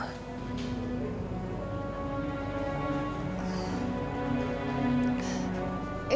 itu gak mungkin ndi